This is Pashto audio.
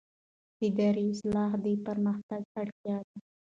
اداري اصلاح د پرمختګ اړتیا ده